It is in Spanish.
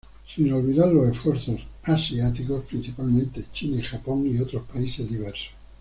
Sin olvidar los esfuerzos asiáticos, principalmente China, Japon y otros países diversos.